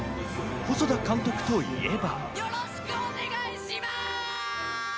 細田監督といえば。